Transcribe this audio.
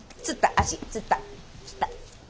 足つったつった。